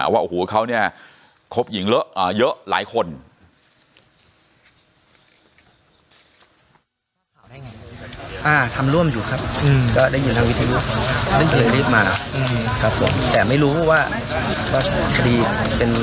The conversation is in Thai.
ว่าโอ้โหเขาเนี่ยคบหญิงเยอะหลายคน